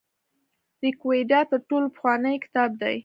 ریګویډا تر ټولو پخوانی کتاب دی.